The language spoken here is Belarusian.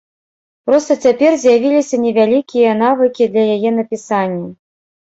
Проста цяпер з'явіліся невялікія навыкі для яе напісання.